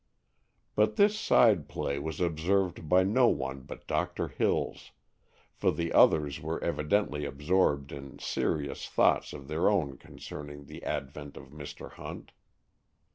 But this side play was observed by no one but Doctor Hills, for the others were evidently absorbed in serious thoughts of their own concerning the advent of Mr. Hunt.